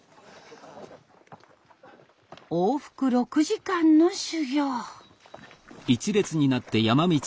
往復６時間の修行。